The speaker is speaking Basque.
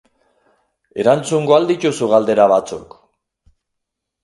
Erantzungo al dituzu galdera batzuk?